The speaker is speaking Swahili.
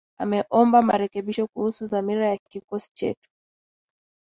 Ameomba marekebisho kuhusu dhamira ya kikosi chetu.